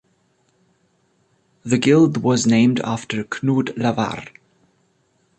The guild was named after Knud Lavard.